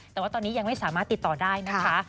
แต่ว่าตอนนี้ยังไม่สามารถติดต่อได้นะคะ